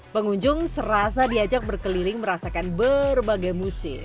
pengunjung serasa diajak berkeliling merasakan berbagai musim